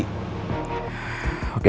oke siap bos baik